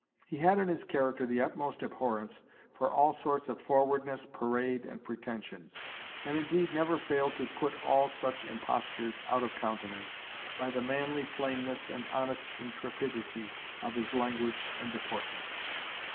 He had in his character the utmost abhorrence for all sorts of forwardness, parade and pretensions; and, indeed, never failed to put all such impostures out of countenance, by the manly plainness and honest intrepidity of his language and deportment.